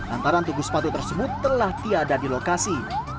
antara tubuh sepatu tersebut telah tiada di lokasi